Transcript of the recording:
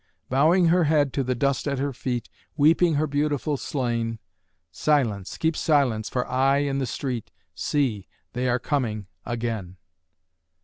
Bowing her head to the dust at her feet, Weeping her beautiful slain; Silence! keep silence for aye in the street See! they are coming again!